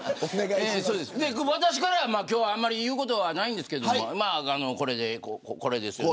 私からは今日あまり言うことないんですけどこれです。